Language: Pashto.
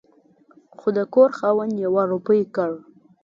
خو د کور خاوند يوه روپۍ کړ